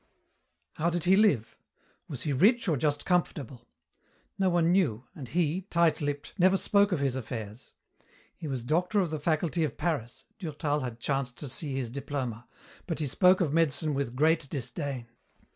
How did he live? Was he rich or just comfortable? No one knew, and he, tight lipped, never spoke of his affairs. He was doctor of the Faculty of Paris Durtal had chanced to see his diploma but he spoke of medicine with great disdain.